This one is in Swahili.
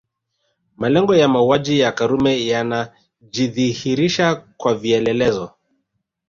Malengo ya mauaji ya Karume yanajidhihirisha kwa vielelezo